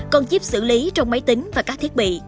con chip xử lý trong máy tính và các thiết bị